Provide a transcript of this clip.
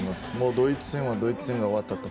ドイツ戦はドイツ戦が終わったと。